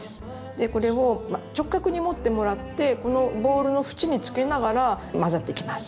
これを直角に持ってもらってこのボウルの縁につけながら混ぜていきます。